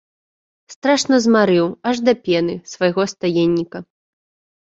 Страшна змарыў, аж да пены, свайго стаенніка.